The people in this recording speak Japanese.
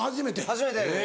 初めてです。